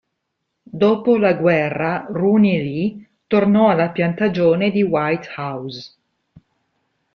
Dopo la guerra, Rooney Lee tornò alla piantagione di White House.